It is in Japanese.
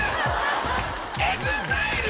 ＥＸＩＬＥ